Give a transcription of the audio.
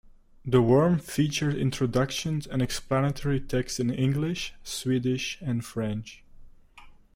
'" "The Worm" featured introductions and explanatory text in English, Swedish, and French.